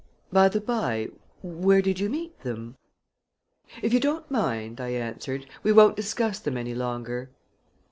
By the by, where did you meet them?" "If you don't mind," I answered, "we won't discuss them any longer."